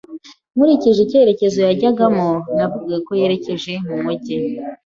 Nkurikije icyerekezo yajyagamo, navuga ko yerekeje mumujyi.